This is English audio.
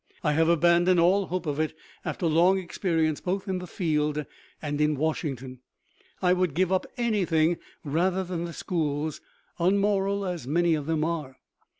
I have abandoned all hope of it, after long experience both in the field and in Washington. I would give up anything rather than the schools, unmoral as many of them are.